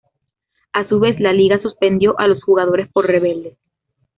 A su vez, la Liga suspendió a los jugadores por "rebeldes".